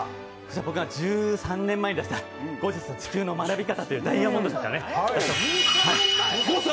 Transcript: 僕が１３年前に出した「ゴー☆ジャスの地球の学び方」というダイヤモンド社から出した本５冊。